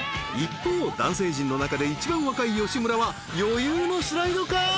［一方男性陣の中で一番若い吉村は余裕のスライドか？］